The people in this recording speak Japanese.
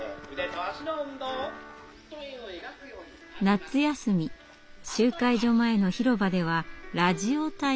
夏休み集会所前の広場ではラジオ体操。